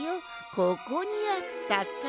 ここにあったか。